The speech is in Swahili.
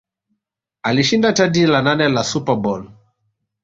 Alishinda taji la nane la SuperBowl